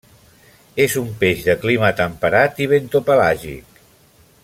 És un peix de clima temperat i bentopelàgic.